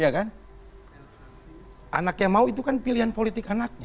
anak yang mau itu kan pilihan politik anaknya